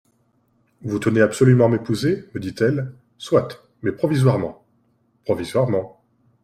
Vous tenez absolument à m’épouser, me dit-elle, soit, mais provisoirement !«— Provisoirement ?